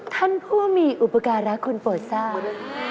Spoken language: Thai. ท่านผู้มีอุปการณ์รักคนโปรดทราบ